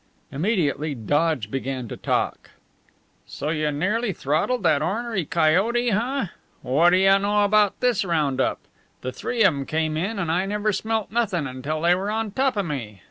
Immediately Dodge began to talk: "So you nearly throttled that ornery coyote, huh? Whata you know about this round up? The three o' 'em came in, and I never smelt nothin' until they were on top o' me.